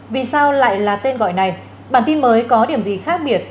vì sao lại là tên gọi này bản tin mới có điểm gì khác biệt